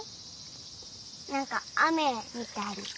なんかあめみたいに。